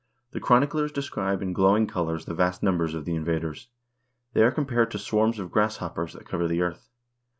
The chroniclers describe in glowing colors the vast numbers of the invaders. They are compared to swarms of grasshoppers that cover the earth.